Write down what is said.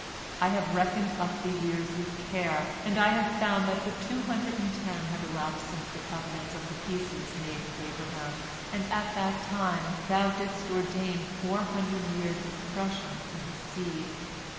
I have reckoned up the years with care, and I have found that but two hundred and ten have elapsed since the covenant of the pieces made with Abraham, and at that time Thou didst ordain four hundred years of oppression for his seed."